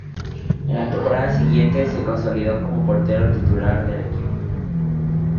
En la temporada siguiente se consolidó como portero titular del equipo.